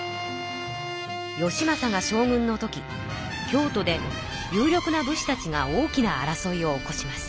義政が将軍のとき京都で有力な武士たちが大きな争いを起こします。